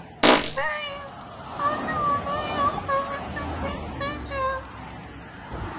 There is only one way of averting these dangers.